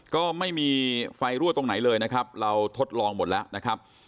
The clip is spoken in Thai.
ก็ไม่มีไฟรั่วตรงไหนเลยนะครับเราทดลองหมดแล้วนะครับ